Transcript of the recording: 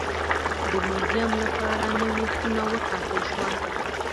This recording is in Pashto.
د موزیم لپاره نوې خونه وټاکل شوه.